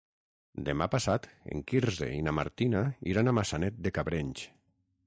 Demà passat en Quirze i na Martina iran a Maçanet de Cabrenys.